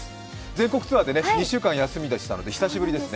全国ツアーで２週間休みでしたので久しぶりですね。